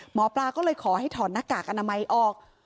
หมอปลาก็เลยขอให้ถอดหน้ากากอนามัยออก